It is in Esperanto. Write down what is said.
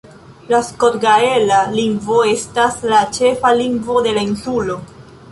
La skotgaela lingvo estas la ĉefa lingvo de la insulo.